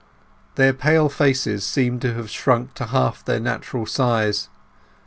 Their pale faces seemed to have shrunk to half their natural size.